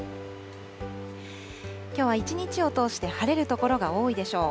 きょうは一日を通して晴れる所が多いでしょう。